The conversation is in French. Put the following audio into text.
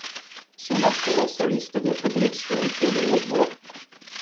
Son instrument soliste de prédilection était le hautbois.